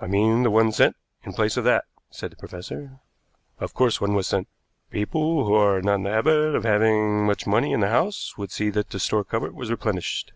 "I mean the one sent in place of that," said the professor. "Of course one was sent. People who are not in the habit of having much money in the house would see that the store cupboard was replenished."